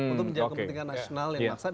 untuk menjaga kepentingan nasional yang